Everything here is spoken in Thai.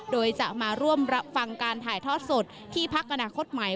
โดยจะมาร่วมรับฟังการถ่ายทอดสดที่พักอนาคตใหม่